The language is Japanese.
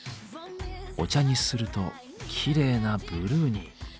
お茶にするときれいなブルーに。